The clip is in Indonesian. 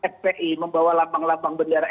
fpi membawa lapang lapang bendera